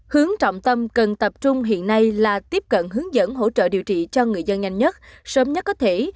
hướng trọng tâm cần tập trung hiện nay là tiếp cận hướng dẫn hỗ trợ điều trị cho người dân nhanh nhất sớm nhất có thể